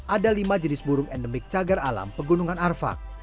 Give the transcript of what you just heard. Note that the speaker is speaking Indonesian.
ada lima jenis burung endemik cagar alam pegunungan arfak